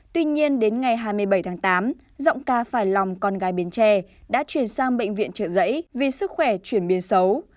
tuy nhiên đến ngày hai mươi bảy tháng tám giọng ca phải lòng con gái bến tre đã chuyển sang bệnh viện trợ giấy vì sức khỏe chuyển biến xấu